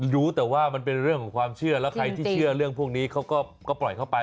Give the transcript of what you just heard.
รู้แต่ว่ามันเป็นเรื่องของความเชื่อแล้วใครที่เชื่อเรื่องพวกนี้เขาก็ปล่อยเข้าไป